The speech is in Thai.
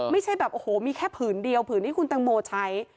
ไม่ใช่แบบโอ้โหมีแค่ผืนเดียวผืนที่คุณตังโมใช้